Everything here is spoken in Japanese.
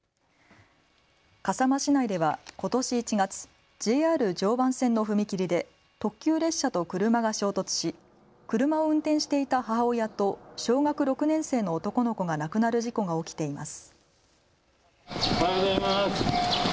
笠間市内ではことし１月、ＪＲ常磐線の踏切で特急列車と車が衝突し車を運転していた母親と小学６年生の男の子が亡くなる事故が起きています。